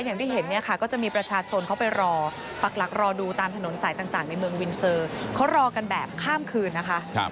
อย่างที่เห็นเนี่ยค่ะก็จะมีประชาชนเขาไปรอปักหลักรอดูตามถนนสายต่างในเมืองวินเซอร์เขารอกันแบบข้ามคืนนะคะ